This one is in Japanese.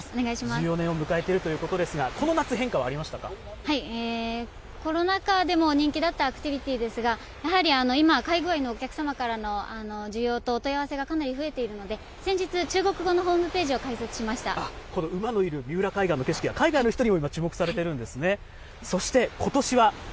１４年を迎えているということですが、この夏、変化はありまコロナ禍でも人気だったアクティビティーですが、やはり今、海外のお客様からの需要とお問い合わせがかなり増えているので、先日、中国語のホームページを開この馬のいる三浦海岸の景色が海外の人にも今、注目されているんですね。